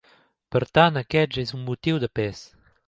Per tant, aquest ja és un motiu de pes.